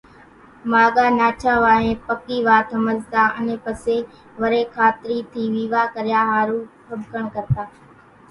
ماڳان ناڇا وانهين پڪِي وات ۿمزتان، انين پسيَ وريَ کاترِي ٿِي ويوا ڪريا ۿارُو ۿٻڪڻ ڪرتان۔